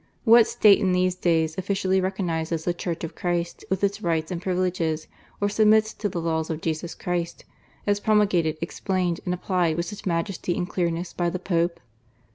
What State in these days officially recognizes the Church of Christ with its rights and privileges, or submits to the laws of Jesus Christ, as promulgated, explained, and applied with such majesty and clearness by the Pope